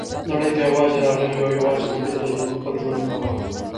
نړۍ ته یوازي راغلي یوو او یوازي به بیرته ځو نو خپل ژوند کوه.